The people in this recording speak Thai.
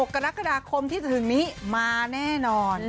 กรกฎาคมที่จะถึงนี้มาแน่นอน